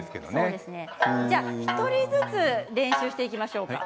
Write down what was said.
では１人ずつ練習していきましょうか。